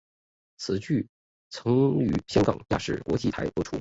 此剧曾于香港亚视国际台播出。